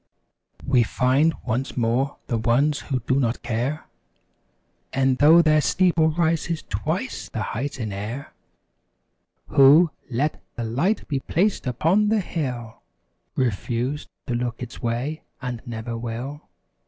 We find once more the ones who do not care E'en though thy steeple reaches twice the height in air ; Who, let the "Light be placed upon the hill" Refuse to look its way and never will.